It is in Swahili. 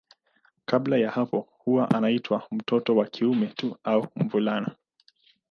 Kabla ya hapo huwa anaitwa mtoto wa kiume tu au mvulana.